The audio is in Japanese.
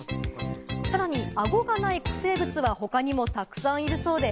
さらに顎がない古生物は他にもたくさんいるそうです。